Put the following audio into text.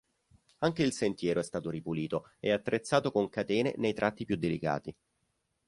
Anche il sentiero è stato ripulito e attrezzato con catene nei tratti più delicati.